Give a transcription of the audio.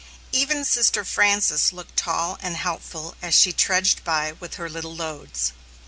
Even Sister Frances looked tall and helpful as she trudged by with her little loads.